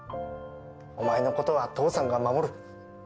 お前のことは父さんが守る